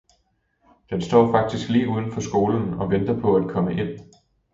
Den står faktisk lige udenfor skolen, og venter på at komme ind.